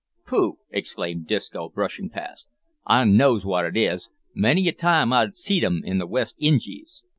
"Pooh!" exclaimed Disco, brushing past; "I knows wot it is. Many a time I've seed 'em in the West Injies."